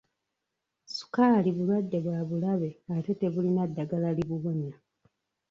Ssukaali bulwadde bwa bulabe ate tebulina ddagala libuwonya.